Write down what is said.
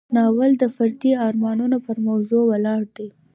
ناول د فردي ارمانونو پر موضوع ولاړ دی.